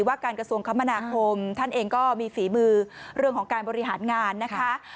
ว่าการกระทรวงคมนาคมท่านเองก็มีฝีมือเรื่องของการบริหารงานนะคะ